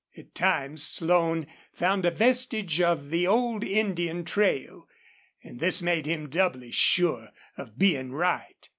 At times Slone found a vestige of the old Indian trail, and this made him doubly sure of being right.